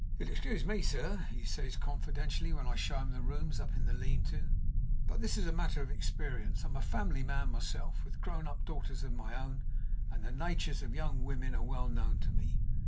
"You'll excuse me, sir," he says, confidentially, when I show him the rooms in the lean to, "but this is a matter of experience. I'm a family man myself, with grown up daughters of my own, and the natures of young women are well known to me.